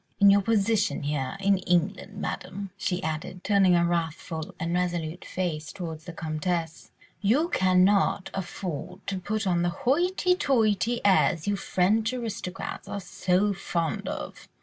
In your position here in England, Madame," she added, turning a wrathful and resolute face towards the Comtesse, "you cannot afford to put on the hoity toity airs you French aristocrats are so fond of.